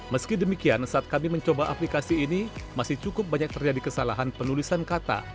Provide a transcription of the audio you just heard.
meski demikian saat kami mencoba aplikasi ini masih cukup banyak terjadi kesalahan penulisan kata